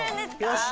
よし！